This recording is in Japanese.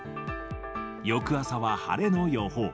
翌朝は晴れの予報。